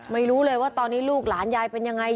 ไม่รู้เลยว่าตอนนี้ลูกหลานยายเป็นยังไง